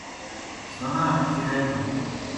سیْݨا کھیگہ۔